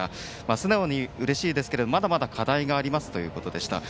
素直にうれしいですけどまだまだ課題がありますということでした。